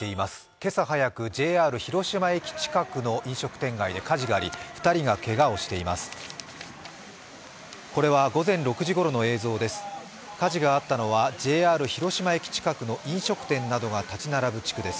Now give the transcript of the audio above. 今朝早く、ＪＲ広島駅近くの飲食店街で火事があり２人がけがをしています。